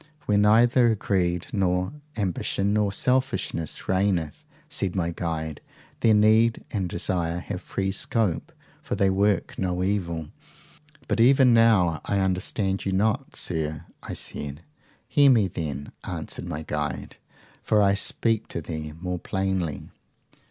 Where neither greed nor ambition nor selfishness reigneth, said my guide, there need and desire have free scope, for they work no evil. But even now I understand you not, sir, I said. Hear me then, answered my guide, for I will speak to thee more plainly.